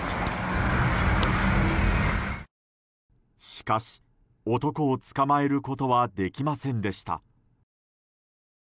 しかし男を捕まえることはできませんでした。